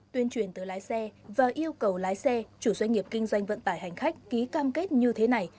tuyên truyền từ lái xe và yêu cầu lái xe chủ doanh nghiệp kinh doanh vận tải hành khách ký cam kết như thế này